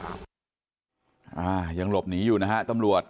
อ่ายังหลบหนีอยู่นะฮะตำรวจ